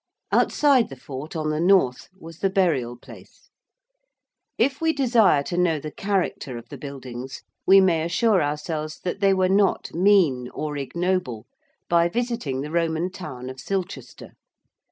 Outside the fort on the north was the burial place. If we desire to know the character of the buildings we may assure ourselves that they were not mean or ignoble by visiting the Roman town of Silchester.